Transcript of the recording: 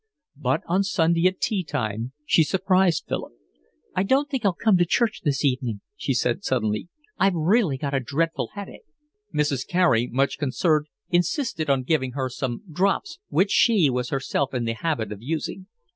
But on Sunday at tea time she surprised Philip. "I don't think I'll come to church this evening," she said suddenly. "I've really got a dreadful headache." Mrs. Carey, much concerned, insisted on giving her some 'drops' which she was herself in the habit of using.